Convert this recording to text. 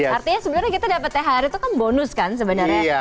artinya sebenarnya kita dapat thr itu kan bonus kan sebenarnya